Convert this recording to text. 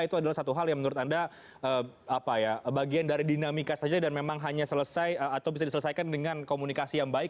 itu adalah satu hal yang menurut anda bagian dari dinamika saja dan memang hanya selesai atau bisa diselesaikan dengan komunikasi yang baik